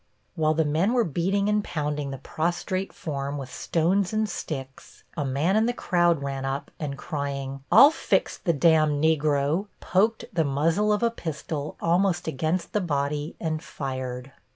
While the men were beating and pounding the prostrate form with stones and sticks a man in the crowd ran up, and crying, "I'll fix the d Negro," poked the muzzle of a pistol almost against the body and fired.